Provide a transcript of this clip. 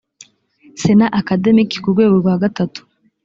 sena akademiki ku rwego rwa gatatu